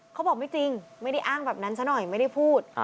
เขาบอกไม่จริงไม่ได้อ้างแบบนั้นซะหน่อยไม่ได้พูด